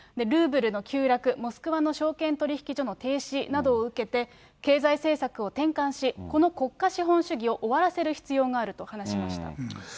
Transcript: ルーブルの急落、モスクワの証券取引所の停止などを受けて、経済政策を転換し、この国家資本主義を終わらせる必要があると話しました。